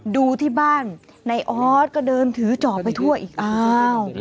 ดูที่บ้านนายออสก็เดินถือจอบไปทั่วอีกอ้าว